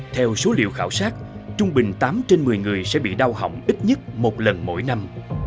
theo số liệu khảo sát trung bình tám trên một mươi người sẽ bị đau hỏng ít nhất một lần mỗi năm